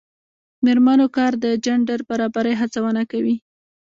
د میرمنو کار د جنډر برابرۍ هڅونه کوي.